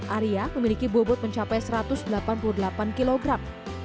arya memiliki bobot mencapai satu ratus delapan puluh delapan kilogram